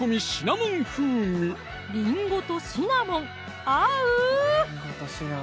りんごとシナモン合う！